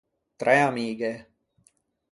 Træ amighe.